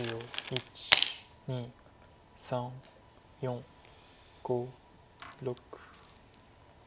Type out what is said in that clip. １２３４５６。